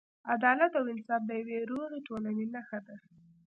عدالت او انصاف د یوې روغې ټولنې نښه ده.